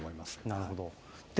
なるほど。